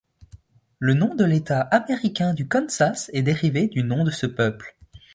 Le nom de l'État américain du Kansas est dérivé du nom de ce peuple.